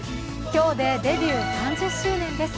今日でデビュー３０周年です。